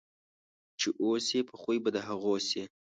چې اوسې په خوی په د هغو سې.